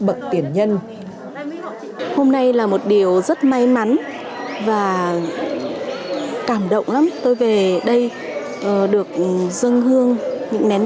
nhà nhân hôm nay là một điều rất may mắn và cảm động lắm tôi về đây được dâng hương những nén